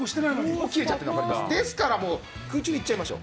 ですから、空中でいっちゃいましょう。